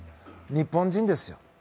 日本人です。